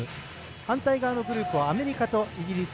反対側のグループはアメリカとイギリス。